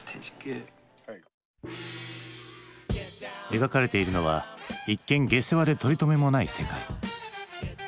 描かれているのは一見下世話で取りとめもない世界。